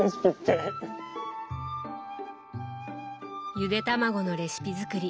ゆでたまごのレシピ作り